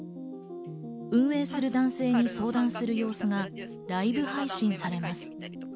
運営する男性に相談する様子がライブ配信されます。